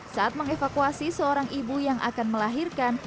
saat mengevakuasi seorang ibu yang akan melahirkan